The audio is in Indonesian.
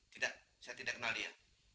tidak saya tidak kenal dia